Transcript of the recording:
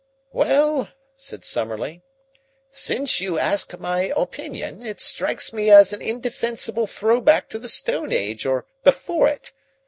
"Well," said Summerlee, "since you ask my opinion, it strikes me as an indefensible throwback to the Stone Age or before it.